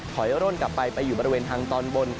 ถอยร่นกลับไปไปอยู่บริเวณทางตอนบน